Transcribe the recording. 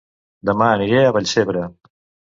Dema aniré a Vallcebre